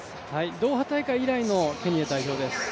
ドーハ大会以来のケニア代表です。